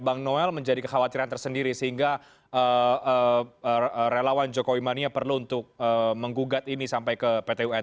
bang noel menjadi kekhawatiran tersendiri sehingga relawan jokowi mania perlu untuk menggugat ini sampai ke pt un